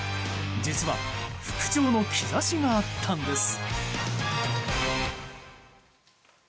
実は、復調の兆しがあったんです。